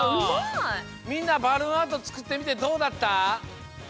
みんなバルーンアートつくってみてどうだった？